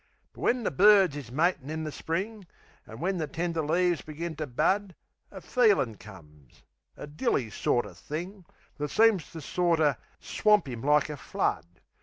But when the birds is matin' in the spring, An' when the tender leaves begin to bud, A feelin' comes a dilly sorter thing That seems to sorter swamp 'im like a flood.